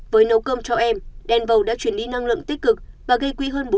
với nấu cơm cho em denvau đã truyền đi năng lượng tích cực và gây quý hơn